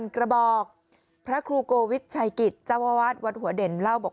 ๕๐๐๐กระบอกพระครูโกวิทย์ชายกิจจังหวัดวัดหัวเด่นเล่าบอก